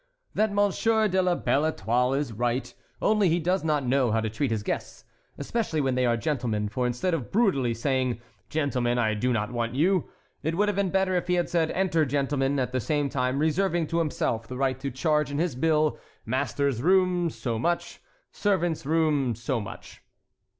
"That Monsieur de la Belle Étoile is right; only he does not know how to treat his guests, especially when they are gentlemen, for instead of brutally saying, 'Gentlemen, I do not want you,' it would have been better if he had said, 'Enter, gentlemen'—at the same time reserving to himself the right to charge in his bill, master's room, so much; servants' room, so much."